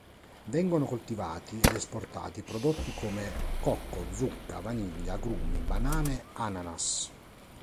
Vengono coltivati ed esportati prodotti come: cocco, zucca, vaniglia, agrumi, banane, ananas.